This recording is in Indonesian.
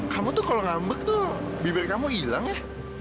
kamu tuh kalau ngambek tuh bibir kamu hilang ya